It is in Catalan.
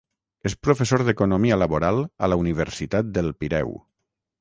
És professor d'Economia Laboral a la Universitat del Pireu.